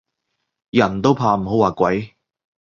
人都怕唔好話鬼